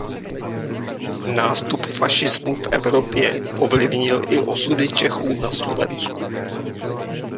Nástup fašismu v Evropě ovlivnil i osudy Čechů na Slovensku.